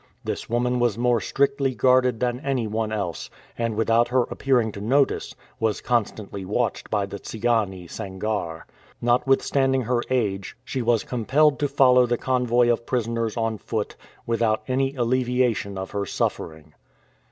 This woman was more strictly guarded than anyone else, and, without her appearing to notice, was constantly watched by the Tsigane Sangarre. Notwithstanding her age she was compelled to follow the convoy of prisoners on foot, without any alleviation of her suffering.